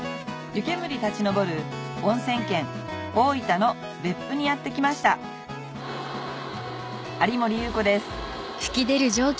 湯煙立ち上るおんせん県大分の別府にやって来ました有森裕子です